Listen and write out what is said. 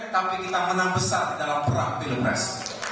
tapi kita menang besar dalam perang pilihan